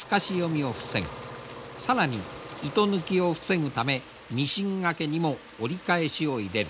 更に糸抜きを防ぐためミシンがけにも折り返しを入れる。